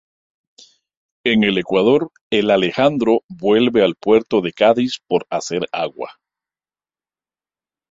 En el ecuador el Alejandro vuelve al puerto de Cádiz por hacer agua.